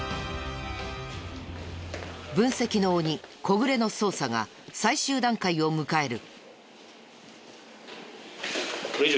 分析の鬼小暮の捜査が最終段階を迎える。